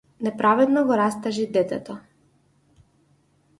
Неправедно го растажи детето.